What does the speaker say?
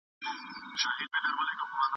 چي منزل له ټولو ورک وي کومي لاري ته سمیږو